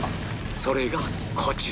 それがこちら